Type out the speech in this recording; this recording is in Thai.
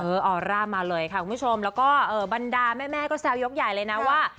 ออร่ามาเลยค่ะคุณผู้ชมแล้วก็บรรดาแม่ก็แซวยกใหญ่เลยนะว่า